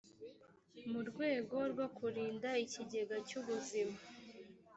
mu rwego rwo kurinda ikigega cyubuzima